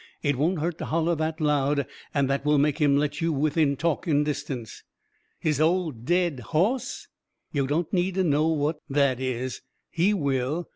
It won't hurt to holler that loud, and that will make him let you within talking distance." "His old DEAD HOSS?" "Yo' don't need to know what that is. HE will."